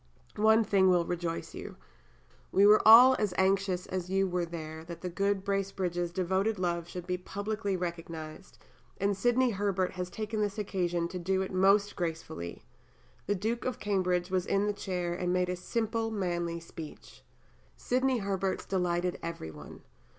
One thing will rejoice you. We were all as anxious as you were there that the good Bracebridges' devoted love should be publicly recognized, and Sidney Herbert has taken this occasion to do it most gracefully. The Duke of Cambridge was in the chair and made a simple, manly speech. Sidney Herbert's delighted every one.